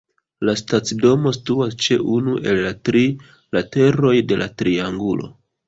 La stacidomo situas ĉe unu el la tri lateroj de la triangulo.